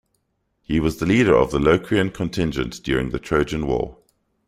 He was the leader of the Locrian contingent during the Trojan War.